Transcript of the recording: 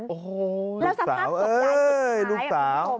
โอ้โหลูกสาวเอ้ยลูกสาว